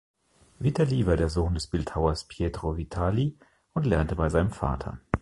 Witali war der Sohn des Bildhauers Pietro Vitali und lernte bei seinem Vater.